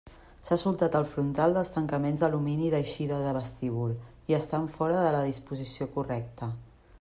S'ha soltat el frontal dels tancaments d'alumini d'eixida de vestíbul, i estan fora de la disposició correcta.